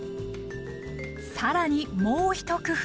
更にもう一工夫。